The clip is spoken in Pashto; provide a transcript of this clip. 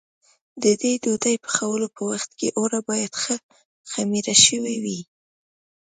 د دې ډوډۍ پخولو په وخت کې اوړه باید ښه خمېره شوي وي.